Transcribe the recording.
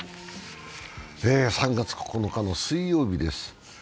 ３月９日の水曜日です。